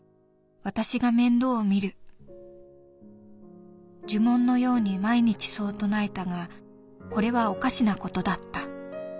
私が面倒をみる』呪文のように毎日そう唱えたがこれはおかしなことだった。